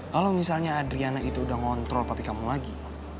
kalau misalnya adriana itu udah ngontrol papi kamu lagi